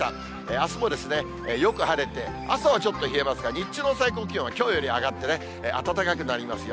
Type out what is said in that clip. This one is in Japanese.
あすもよく晴れて、朝はちょっと冷えますが、日中の最高気温はきょうより上がって、暖かくなりますよ。